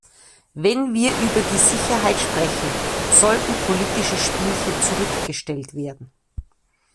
Wenn wir über die Sicherheit sprechen, sollten politische Spielchen zurückgestellt werden.